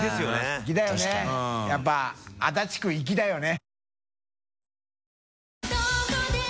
粋だよねやっぱ足立区粋だよね。